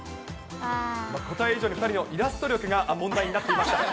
答え以上に２人のイラスト力が問題になっていましたね。